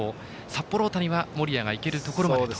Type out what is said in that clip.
札幌大谷は森谷が行けるところまでと。